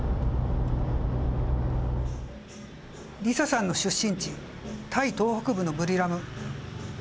ＬＩＳＡさんの出身地タイ東北部のブリラム。